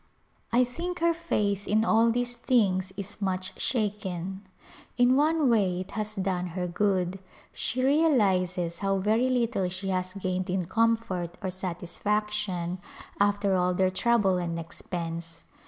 I think her faith in all these things is much shaken. In one way it has done her good ; she real izes how very little she has gained in comfort or sat isfaction after all their trouble and expense.